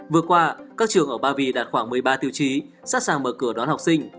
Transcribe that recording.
vừa qua các trường ở ba vì đạt khoảng một mươi ba tiêu chí sẵn sàng mở cửa đón học sinh